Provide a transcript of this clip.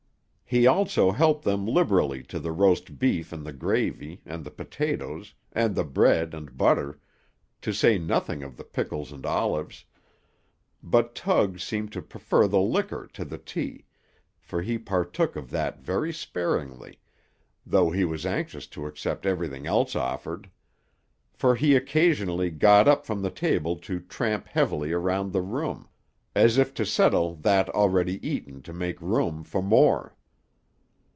He also helped them liberally to the roast beef and the gravy, and the potatoes, and the bread and butter, to say nothing of the pickles and olives; but Tug seemed to prefer the liquor to the tea, for he partook of that very sparingly, though he was anxious to accept everything else offered; for he occasionally got up from the table to tramp heavily around the room, as if to settle that already eaten to make room for more.